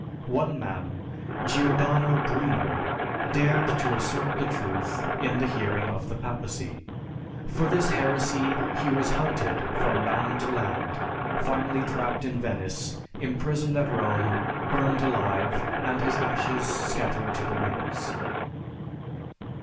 One man, Giordano Bruno dared to assert the truth in the hearing of the Papacy. For this heresy he was hunted from land to land, finally trapped in Venice, imprisoned at Rome, burned alive, and his ashes scattered to the winds!